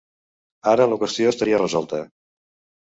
Ara la qüestió estaria resolta.